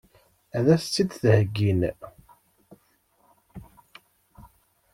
Ad as-tt-id-heggin?